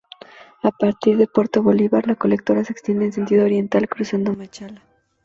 A partir de Puerto Bolívar, la colectora se extiende en sentido oriental cruzando Machala.